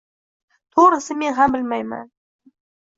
To‘g‘risi, men ham bilmayman.